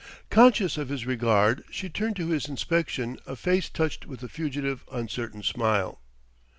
Conscious of his regard, she turned to his inspection a face touched with a fugitive, uncertain smile.